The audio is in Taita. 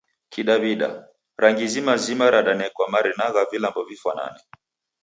Kidaw'ida, rangi zima zima ranekwa marina gha vilambo vifwanane.